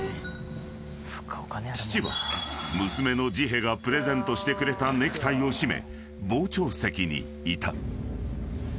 ［父は娘のジヘがプレゼントしてくれたネクタイを締め傍聴席にいた］